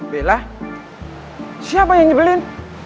bella siapa yang ngebelin